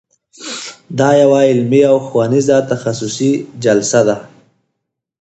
دا یوه علمي او ښوونیزه تخصصي جلسه ده.